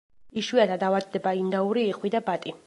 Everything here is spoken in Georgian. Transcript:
იშვიათად ავადდება ინდაური, იხვი და ბატი.